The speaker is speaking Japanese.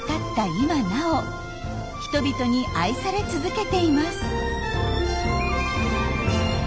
今なお人々に愛され続けています。